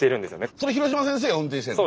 それ廣島先生が運転してるの？